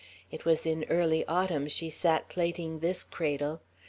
It was in early autumn she sat plaiting this cradle.